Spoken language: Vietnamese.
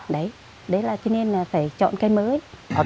đấy là cho nên phải chọn cây mới